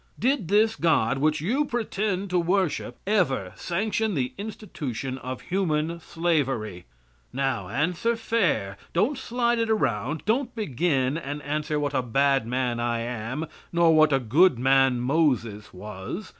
Did this God, which you pretend to worship, ever sanction the institution of human slavery? Now, answer fair. Don't slide around it. Don't begin and answer what a bad man I am, nor what a good man Moses was.